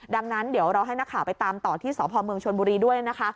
ดังนั้นเดี๋ยวเราให้นักข่าวไปตามต่อที่สพเมืองชนบุรีด้วยนะคะ